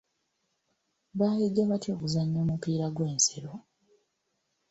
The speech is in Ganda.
Baayiga batya okuzannya omupiira gw'ensero?